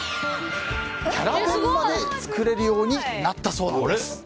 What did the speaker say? キャラ弁まで作れるようになったそうなんです。